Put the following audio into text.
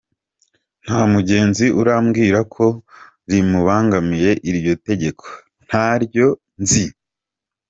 Nta mugenzi urambwira ko rimubangamiye, iryo tegeko ntaryo nzi.